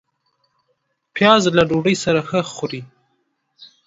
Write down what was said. پیاز له ډوډۍ سره ښه خوري